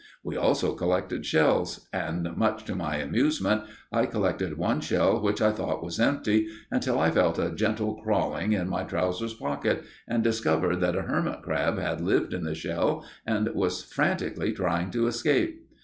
We also collected shells, and, much to my amusement, I collected one shell which I thought was empty, until I felt a gentle crawling in my trousers pocket, and discovered that a hermit crab lived in the shell, and was frantically trying to escape.